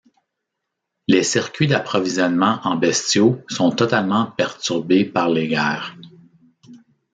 Les circuits d’approvisionnement en bestiaux sont totalement perturbés par les guerres.